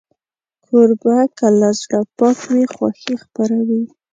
کوربه که له زړه پاک وي، خوښي خپروي.